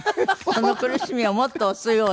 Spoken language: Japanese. その苦しみをもっと押すように。